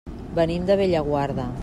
Venim de Bellaguarda.